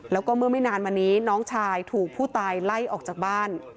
แล้วก็เมื่อไม่นานมานี้น้องชายถูกผู้ตายไล่ออกจากบ้าน